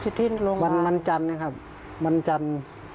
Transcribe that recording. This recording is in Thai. ถือที่โรงพยาบาลมันจันทร์นะครับมันจันทร์